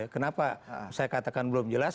kenapa saya katakan belum jelas